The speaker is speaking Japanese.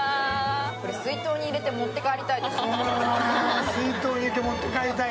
水筒に入れて持って帰りたいって。